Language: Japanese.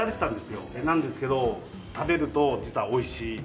なんですけど食べると実は美味しい。